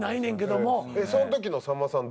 その時のさんまさん